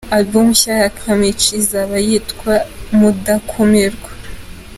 Album nshya ya Kamichi izaba yitwa Mudakumirwa.